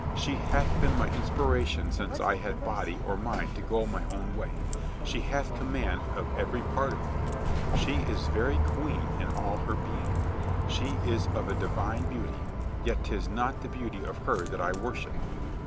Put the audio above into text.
She hath been my inspiration since I had body or mind to go my own way. She hath command of every part of me. She is very queen in all her being. She is of a divine beauty, yet 'tis not the beauty of her that I worship.